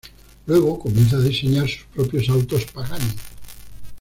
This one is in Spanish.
Luego comienza a diseñar sus propios autos Pagani.